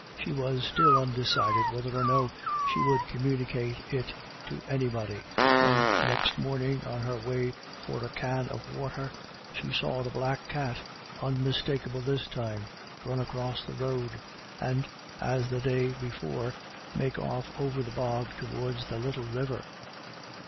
She was still undecided whether or no she would communicate it to any COMING AND GOING. 305 body, when, next morning, on her way for a can of water, she saw the black cat, unmistakable this time, run across the road, and, as on the day before, make iff over the bog towards the little river.